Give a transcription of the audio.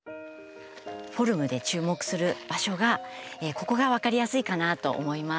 フォルムで注目する場所がここが分かりやすいかなと思います。